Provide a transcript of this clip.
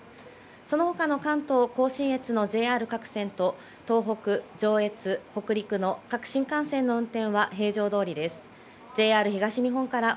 そのほかの関東甲信越のＪＲ各線と、東北、上越、北陸の各新幹線の運転は平常どおりです。